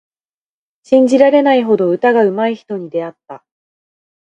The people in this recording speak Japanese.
信じられないほど歌がうまい人に出会った。